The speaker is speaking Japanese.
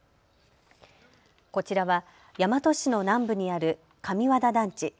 こちらは大和市の南部にある上和田団地。